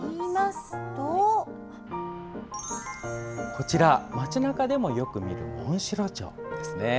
こちら、町なかでもよく見かけるモンシロチョウですね。